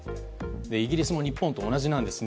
イギリスも日本と同じなんです。